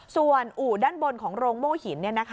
ส่วนอู่ด้านบนของโรงโม่หิน